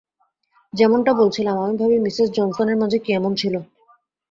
যেমনটা বলছিলাম, আমি ভাবি মিসেস জনসনের মাঝে কি এমন ছিল?